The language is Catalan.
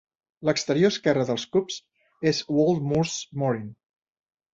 L'exterior esquerre dels Cubs és Walt "Moose" Moryn.